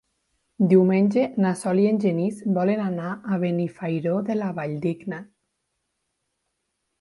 Diumenge na Sol i en Genís volen anar a Benifairó de la Valldigna.